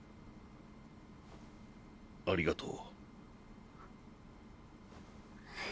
ありがとう。